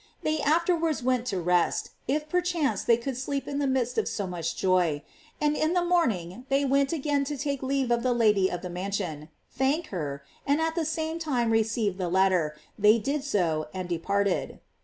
They afterwards went to rest, if perchance they could sleep in the midst of so much joy, and in the morning they went again to take leave of the Lady of the mansion, thank her, and at the same time receive the letter, they did so and departed.